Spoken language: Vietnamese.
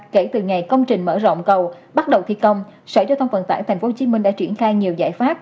kể từ ngày công trình mở rộng cầu bắt đầu thi công sở giao thông vận tải tp hcm đã triển khai nhiều giải pháp